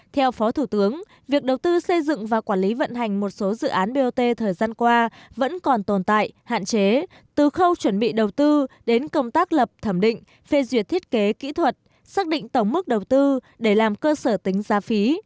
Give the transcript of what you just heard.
theo phó thủ tướng việc đầu tư xây dựng và quản lý vận hành một số dự án bot thời gian qua vẫn còn tồn tại hạn chế từ khâu chuẩn bị đầu tư đến công tác lập thẩm định phê duyệt thiết kế kỹ thuật xác định tổng mức đầu tư để làm cơ sở tính giá phí